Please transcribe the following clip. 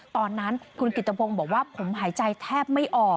ตอนนั้นคุณกิตพงศ์บอกว่าผมหายใจแทบไม่ออก